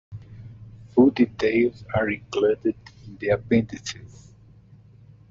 Full details are included in the appendices.